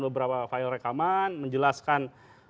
beberapa file rekaman menjelaskan